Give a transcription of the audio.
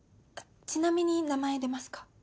ちなみに名前出ますか？